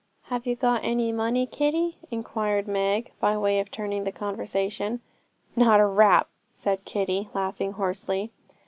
'Have you got any money, Kitty?' inquired Meg, by way of turning the conversation. 'Not a rap,' said Kitty, laughing hoarsely.